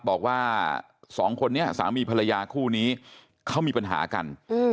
บอกว่าสองคนนี้สามีภรรยาคู่นี้เขามีปัญหากัน